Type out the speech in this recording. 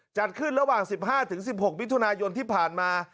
จัดขึ้นระหว่าง๑๕๑๖มิถุนายนที่ผ่านมา